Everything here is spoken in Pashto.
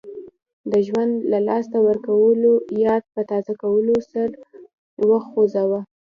د ژوند له لاسه ورکولو یاد په تازه کولو سر وخوځاوه.